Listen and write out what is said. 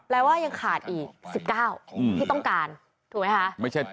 ว่ายังขาดอีก๑๙ที่ต้องการถูกไหมคะ